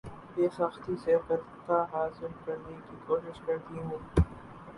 بے ساختگی سے فتح حاصل کرنے کی کوشش کرتی ہیں